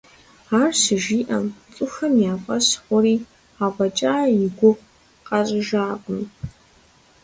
Ар щыжиӀэм, цӀыхухэм я фӀэщ хъури, афӀэкӀа и гугъу къащӀыжакъым.